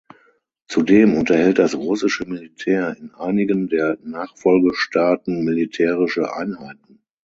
Zudem unterhält das russische Militär in einigen der Nachfolgestaaten militärische Einheiten.